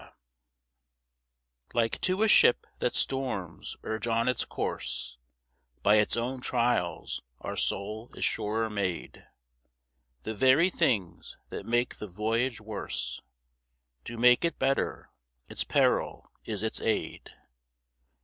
XI. Like to a ship that storms urge on its course, By its own trials our soul is surer made. The very things that make the voyage worse Do make it better; its peril is its aid.